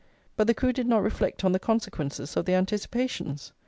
But the crew did not reflect on the consequences of the anticipations!